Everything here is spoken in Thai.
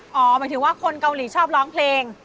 หมายถึงว่าคนเกาหลีชอบร้องเพลง